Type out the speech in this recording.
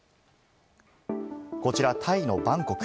こちらタイのバンコク。